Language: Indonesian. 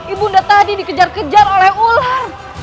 ibu nda tadi dikejar kejar oleh ular